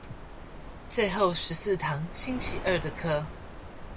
最後十四堂星期二的課